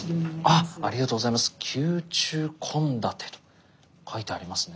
ありがとうございます。